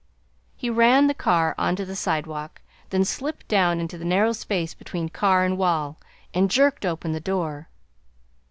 He ran the car on to the sidewalk, then slipped down into the narrow space between car and wall and jerked open the door.